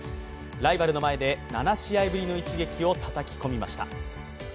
ライバルの前で７試合ぶりの一撃をたたき込みました。